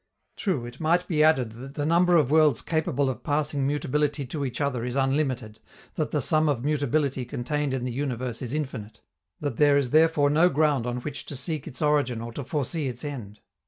True, it might be added that the number of worlds capable of passing mutability to each other is unlimited, that the sum of mutability contained in the universe is infinite, that there is therefore no ground on which to seek its origin or to foresee its end.